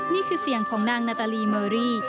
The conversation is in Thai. นี่คือเสียงของนางนาตาลีเมอรี่